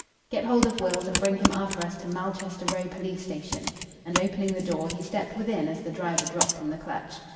"Get hold of Wills and bring him after us to Malchester Row Police Station." And, opening the door, he stepped within as the driver dropped in the clutch.